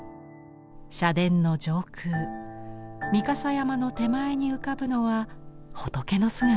社殿の上空御蓋山の手前に浮かぶのは仏の姿。